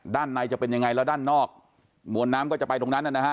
ด้านในจะเป็นยังไงแล้วด้านนอกมวลน้ำก็จะไปตรงนั้นนะฮะ